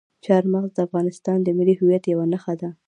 چار مغز د افغانستان د ملي هویت یوه نښه ده.